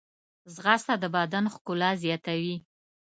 ځغاسته د بدن ښکلا زیاتوي